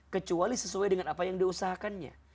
kecuali sesuai dengan apa yang diusahakannya